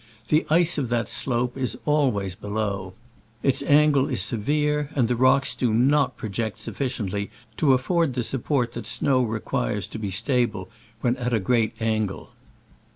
The ice of that slope is always below, its angle is severe, and the rocks do not project sufficiently to afford the support that snow requires to be stable when at a great angle.